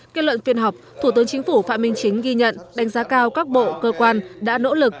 kết luận phiên họp thủ tướng chính phủ phạm minh chính ghi nhận đánh giá cao các bộ cơ quan đã nỗ lực